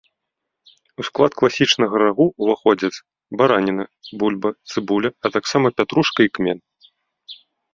У склад класічнага рагу ўваходзяць бараніна, бульба, цыбуля, а таксама пятрушка і кмен.